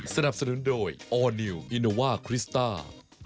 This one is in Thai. สนับสนุนโดยออร์นิวอินโนว่าคริสต้า